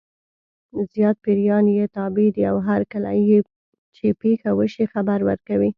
زیات پیریان یې تابع دي او هرکله چې پېښه وشي خبر ورکوي.